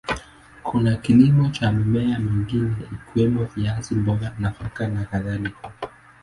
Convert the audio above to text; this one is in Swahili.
Kuna kilimo cha mimea mingine ikiwemo viazi, mboga, nafaka na kadhalika.